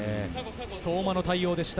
相馬の対応でした。